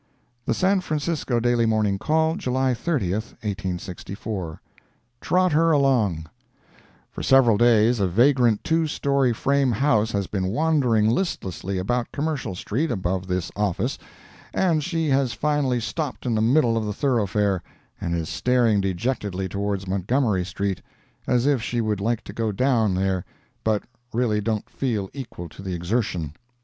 The San Francisco Daily Morning Call, July 30, 1864 TROT HER ALONG For several days a vagrant two story frame house has been wandering listlessly about Commercial street, above this office, and she has finally stopped in the middle of the thoroughfare, and is staring dejectedly towards Montgomery street, as if she would like to go down there, but really don't feel equal to the exertion.